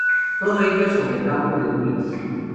Todo ello sobre campo de gules.